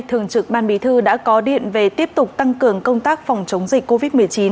thường trực ban bí thư đã có điện về tiếp tục tăng cường công tác phòng chống dịch covid một mươi chín